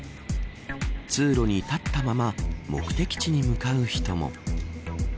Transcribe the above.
通路に立ったまま目的地に向かう人も。